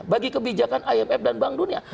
bagi kebijakan imf dan bank dunia